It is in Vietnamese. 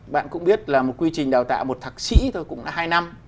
bạn cũng biết là một quy trình đào tạo một thạc sĩ thôi cũng đã hai năm